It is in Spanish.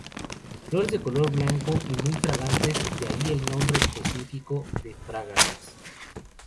Flores de color blanco y muy fragantes, de ahí el nombre específico de "fragrans".